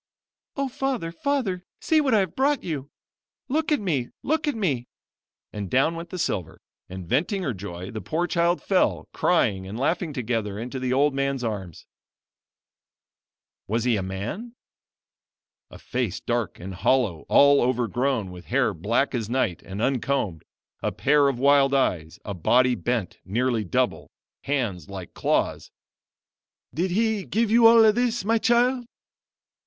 "O Father! Father! see what I have brought you! Look at me! Look at me" and down went the silver, and venting her joy, the poor child fell; crying and laughing together, into the old man's arms. Was he a man? A face dark and hollow, all overgrown with hair black as night and uncombed a pair of wild eyes a body bent nearly double hands like claws. "Did he give you all this, my child?"